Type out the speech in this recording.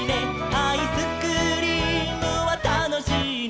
「アイスクリームはたのしいね」